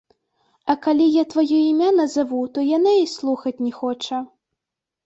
А калі я тваё імя назаву, то яна і слухаць не хоча.